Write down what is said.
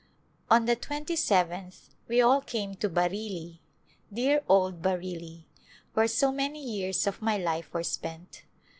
On the twenty seventh we all came to Bareilly, dear old Bareilly ! where so many years of my life were spent.